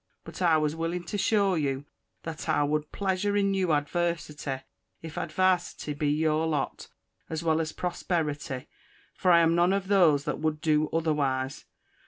But I was willin to show you, that I wulde plessure you in advarsity, if advarsity be your lott, as well as prosperity; for I am none of those that woulde doe otherwiss.